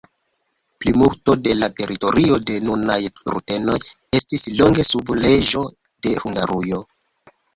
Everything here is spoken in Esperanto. Plimulto de la teritorio de nunaj rutenoj estis longe sub reĝo de Hungarujo.